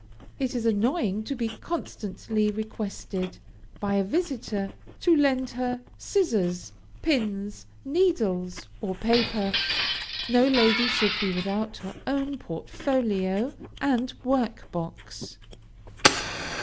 It is annoying to be constantly requested by a visitor to lend her scissors, pins, needles, or paper; no lady should be without her own portfolio and work box.